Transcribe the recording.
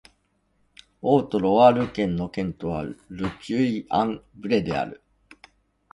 オート＝ロワール県の県都はル・ピュイ＝アン＝ヴレである